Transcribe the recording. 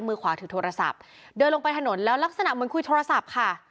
มือขวาถือโทรศัพท์เดินลงไปถนนแล้วลักษณะเหมือนคุยโทรศัพท์ค่ะ